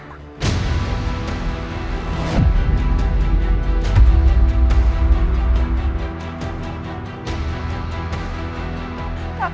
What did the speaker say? kau jangan terbiasa